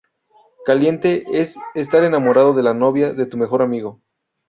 Caliente es estar enamorado de la novia de tu mejor amigo.